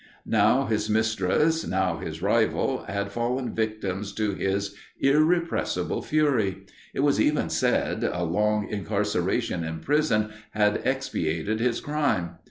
Now his mistress, now his rival, had fallen victims to his irrepressible fury. It was even said, a long incarceration in prison had expiated his crime.